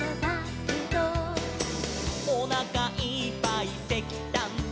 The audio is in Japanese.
「」「おなかいっぱいせきたんたべて」